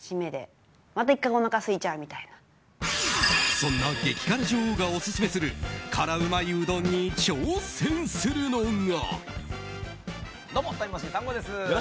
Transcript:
そんな激辛女王がオススメする辛うまいうどんに挑戦するのが。